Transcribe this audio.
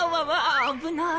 危ない！